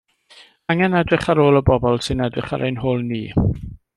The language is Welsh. Angen edrych ar ôl y bobl sy'n edrych ar ein hôl ni.